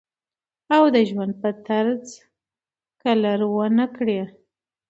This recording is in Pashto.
او د ژوند پۀ طرز کلر ونۀ کړي